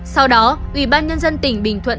sau đó ủy ban nhân dân tỉnh bình thuận